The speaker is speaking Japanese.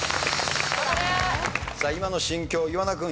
さあ今の心境岩永君。